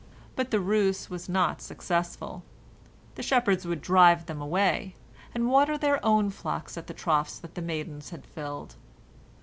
But the ruse was not successful. The shepherds would drive them away, and water their own flocks at the troughs that the maidens had filled.